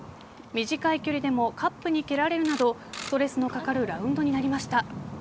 短い距離でもカップに蹴られるなどストレスのかかるラウンドになりました。